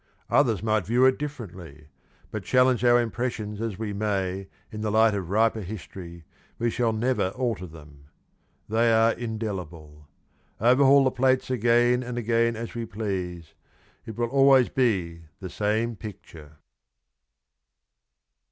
Others might view it differently, but challenge our impressions as we may in the light of riper history, we shall never alter them. They are indelible. Overhaul the plates again and again as we please, it will always be the same picture.